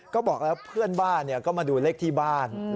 ก็บอกแล้วเพื่อนบ้านก็มาดูเลขที่บ้าน